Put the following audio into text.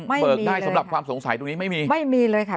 เปิดได้สำหรับความสงสัยตรงนี้ไม่มีไม่มีเลยค่ะ